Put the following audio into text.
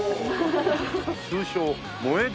通称萌え寺